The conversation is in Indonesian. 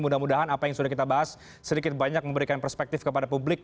mudah mudahan apa yang sudah kita bahas sedikit banyak memberikan perspektif kepada publik